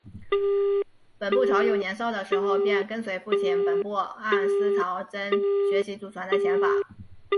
本部朝勇年少的时候便跟随父亲本部按司朝真学习祖传的拳法。